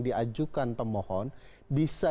diajukan pemohon bisa